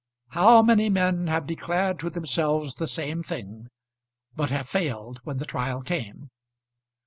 How many men have declared to themselves the same thing, but have failed when the trial came!